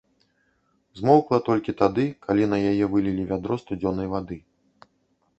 Змоўкла толькі тады, калі на яе вылілі вядро студзёнай вады.